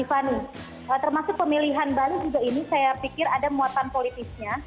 termasuk pemilihan bali juga ini saya pikir ada muatan politisnya